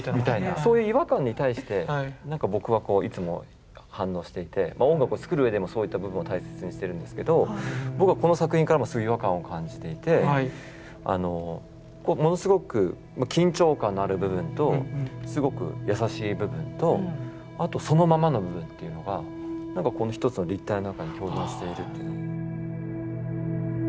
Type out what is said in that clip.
そういう違和感に対して僕はいつも反応していて音楽を作るうえでもそういった部分を大切にしているんですけど僕はこの作品からもすごい違和感を感じていてものすごく緊張感のある部分とすごく優しい部分とあとそのままの部分っていうのが一つの立体の中に共存しているという。